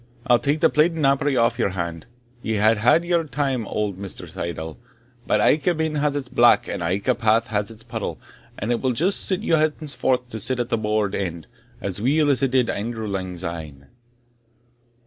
I'll tak the plate and napery aff your hand. Ye hae had your ain time o't, Mr. Syddall; but ilka bean has its black, and ilka path has its puddle; and it will just set you henceforth to sit at the board end, as weel as it did Andrew lang syne."